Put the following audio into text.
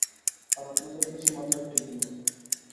আর আপনাদেরও দেখছি মাথার ঠিক নেই।